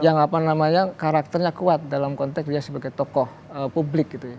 yang apa namanya karakternya kuat dalam konteks dia sebagai tokoh publik gitu ya